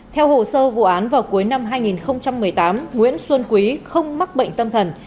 theo hồ sơ vụ án vào cuối năm hai nghìn một mươi tám nguyễn xuân quý không mắc bệnh tâm thần